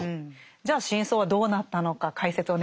じゃあ真相はどうなったのか解説をお願いしていいですか。